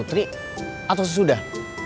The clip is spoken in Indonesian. putri atau sesudah